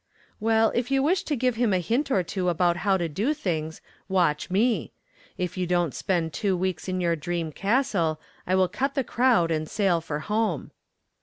"Well, if you wish to give him a hint or two about how to do things, watch me. If you don't spend two weeks in your dream castle, I will cut the crowd and sail for home."